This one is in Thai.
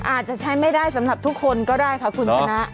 อาจจะใช้ไม่ได้สำหรับทุกคนก็ได้ค่ะคุณชนะ